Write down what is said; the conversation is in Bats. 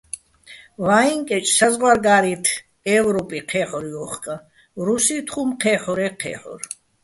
ვაჲჼ კეჭ საზღვარგა́რი́თ, ე́ვროპე ჴე́ჰ̦ორ ჲოხკაჼ, რუსი́თ ხუმ ჴე́ჰ̦ორე́ ჴე́ჰ̦ორ.